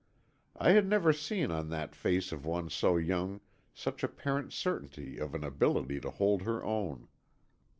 I had never seen on the face of one so young such apparent certainty of an ability to hold her own.